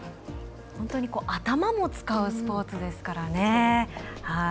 本当に頭も使うスポーツですからね。